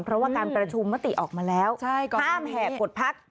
เพราะว่าการประชุมมติออกมาแล้วห้ามแห่กดพัก